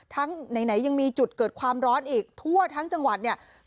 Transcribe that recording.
ไหนยังมีจุดเกิดความร้อนอีกทั่วทั้งจังหวัดเนี่ย